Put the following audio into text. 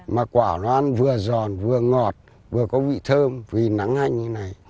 mà quả nó ăn vừa giòn vừa ngọt vừa có vị thơm vì nắng hanh như thế này